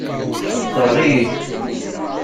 Tessṛeɣ-iyi-tt.